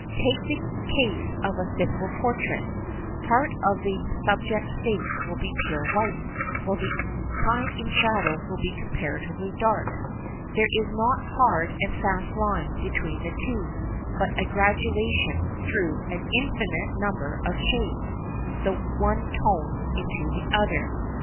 Take the case of a simple portrait. Part of the subject's face will be pure white, while the side in shadow will be comparatively dark. There is no hard and fast line between the two, but by a gradation through an infinite number of shades the one tones into the other.